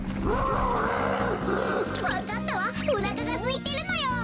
おなかがすいてるのよ。